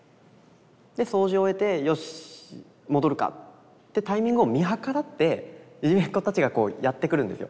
で掃除を終えてよし戻るかってタイミングを見計らっていじめっ子たちがやって来るんですよ。